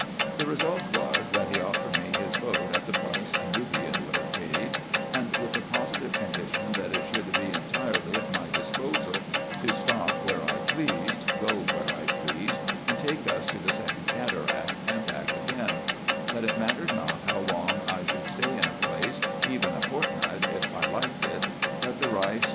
The result was, that he offered me his boat at the price a Nubian would have paid ; and with the positive condition, that it should be entirely at my disposal, to stop where I pleased, go where I pleased, and take us to the second cataract and back again ; that it mattered not how long I should stay in a place, even a fortnight if I liked it ; that the Eeis IN EGYPT, NUBIA, &c.